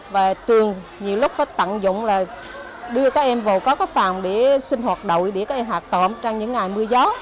và trường nhiều lúc phải tận dụng là đưa các em vào có các phòng để sinh hoạt đội để các em học tập trong những ngày mưa gió